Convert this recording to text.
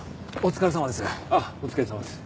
お疲れさまです。